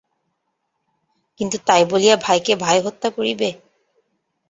কিন্তু তাই বলিয়া ভাইকে ভাই হত্যা করিবে!